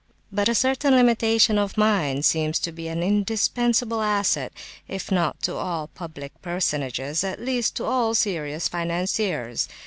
But a certain limitation of mind seems to be an indispensable asset, if not to all public personages, at least to all serious financiers.